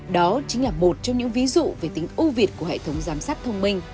đó chính là một trong những ví dụ về tính ưu việt của hệ thống giám sát thông minh